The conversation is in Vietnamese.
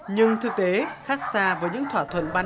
nhưng thực tế khác xa với những thuật